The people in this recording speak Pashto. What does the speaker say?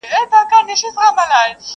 تېرېدل د سلطان مخي ته پوځونه !.